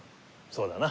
そうだな。